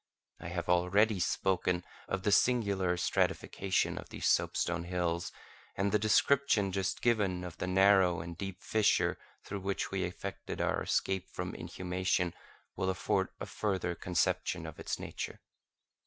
I have already spoken of the singular stratification of these soapstone hills; and the description just given of the narrow and deep fissure through which we effected our escape from inhumation will afford a further conception of its nature.